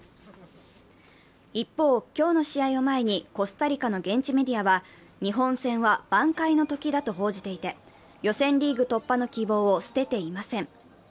一方、今日の試合を前にコスタリカの現地メディアは日本戦は挽回のときだと報じていて、予選リーグ突破の希望を捨てていません。